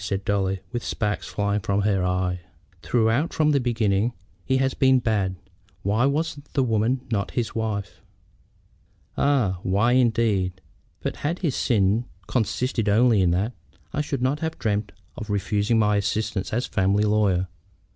said Dolly, with sparks flying from her eye. "Throughout from the beginning he has been bad. Why was the woman not his wife?" "Ah! why, indeed. But had his sin consisted only in that, I should not have dreamed of refusing my assistance as a family lawyer.